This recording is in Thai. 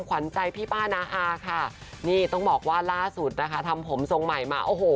ขวัญใจพี่ป้านาฮาค่ะนี่ต้องบอกว่าล่าสุดนะคะทำผมทรงใหม่มาโอ้โห